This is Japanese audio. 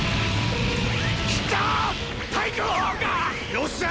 よっしゃ！